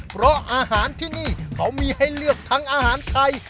เพราะอาหารที่นี่เขามีให้เลือกทั้งอาหารไทย